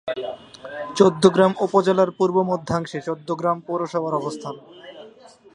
চৌদ্দগ্রাম উপজেলার পূর্ব-মধ্যাংশে চৌদ্দগ্রাম পৌরসভার অবস্থান।